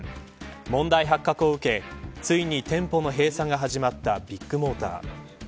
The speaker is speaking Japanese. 問題発覚を受けついに店舗の閉鎖が始まったビッグモーター。